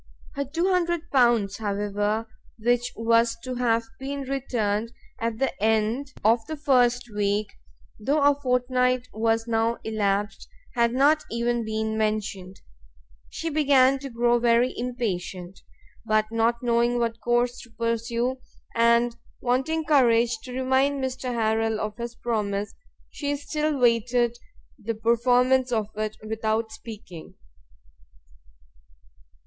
Her L200 pounds however, which was to have been returned at the end if the first week, though a fortnight was now elapsed, had not even been mentioned; she began to grow very impatient, but not knowing what course to pursue, and wanting courage to remind Mr Harrel of his promise, she still waited the performance of it without speaking.